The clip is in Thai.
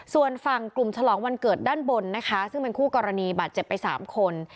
ส่วนฝั่งกลุ่มฉลองวันเกิดด้านบนนะคะซึ่งเป็นคู่กรณีบาดเจ็บไป๓คน